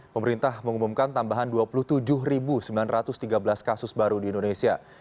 pemerintah mengumumkan tambahan dua puluh tujuh sembilan ratus tiga belas kasus baru di indonesia